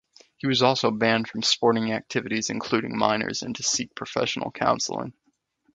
He was also banned from sporting activities including minors and to seek professional counselling.